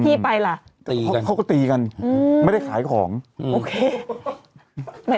ที่ไปล่ะตีแต่เขาก็ตีกันอืมไม่ได้ขายของอืมโอเคไม่